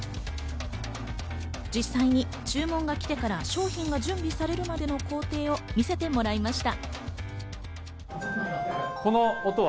実際に注文が来てから商品が準備されるまでの工程を見せてもらいました。